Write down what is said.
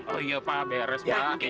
oh iya pak beres banget